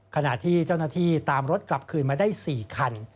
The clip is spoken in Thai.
ขณะที่เจ้าหน้าที่ตามรถกลับคืนมาได้๔คัน